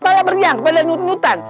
ayo beriang kepada nyutan